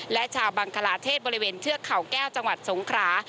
และชาวบังคลาเทศบริเวณเทือกเขาแก้วจังหวัดสงครา